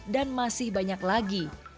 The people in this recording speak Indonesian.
dan masih banyak lagi